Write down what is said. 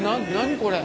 これ。